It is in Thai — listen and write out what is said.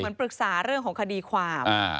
เหมือนปรึกษาเรื่องของคดีความ